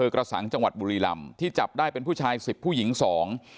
กระสังจังหวัดบุรีลำที่จับได้เป็นผู้ชายสิบผู้หญิงสอง